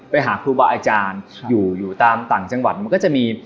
ไปหาครูบาอาจารย์อยู่อยู่ตามต่างจังหวัดมันก็จะมี